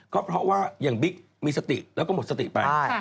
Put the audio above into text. ก็เพราะว่าอย่างบิ๊กมีสติแล้วก็หมดสติไป